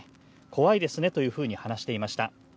怖いですねというふうに話していました。